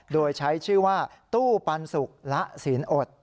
โดยใช้ชื่อว่าตู้ปันสุกละศีลอด